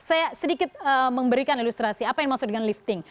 saya sedikit memberikan ilustrasi apa yang maksud dengan lifting